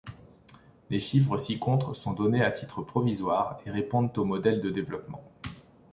Les chiffres ci-contre sont donnés à titre provisoire et répondent au modèle de développement.